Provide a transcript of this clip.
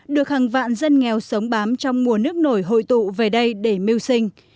được hàng vạn dân nghèo sống bám trong mùa nước nổi hội tụ về đây để mưu sinh